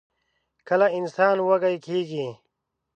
کله انسان وږۍ کيږي؟